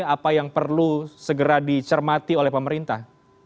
apa yang perlu segera dicermati oleh pemerintah